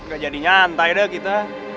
gak jadi nyantai deh kita